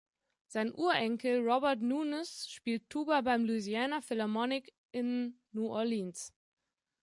Sein Urenkel Robert Nunez spielt Tuba beim Louisiana Philharmonic in New Orleans.